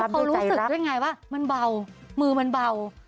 เขารู้สึกได้ไงว่ามันเบามือมันเบา